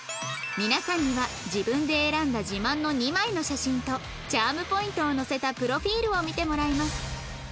皆さんには自分で選んだ自慢の２枚の写真とチャームポイントを載せたプロフィールを見てもらいます